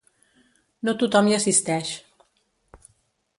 No tothom hi assisteix.